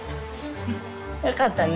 よかったね。